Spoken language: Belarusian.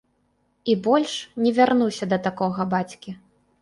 І больш не вярнуся да такога бацькі.